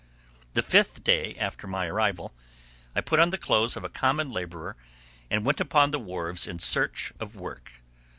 The fifth day after my arrival, I put on the clothes of a common laborer, and went upon the wharves in search of work.